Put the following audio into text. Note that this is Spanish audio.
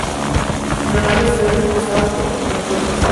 La nave se ve reforzada por contrafuertes.